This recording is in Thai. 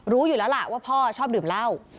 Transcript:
รู้อยู่แล้วล่ะว่าพ่อชอบดื่มเหล้า